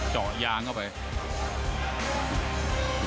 เจาะยางเข้าไป